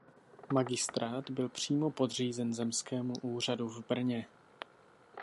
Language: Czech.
Magistrát byl přímo podřízen zemskému úřadu v Brně.